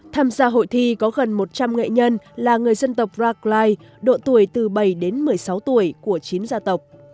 tham gia hội thi có gần một trăm linh nghệ nhân là người dân tộc rackline độ tuổi từ bảy đến một mươi sáu tuổi của chín gia tộc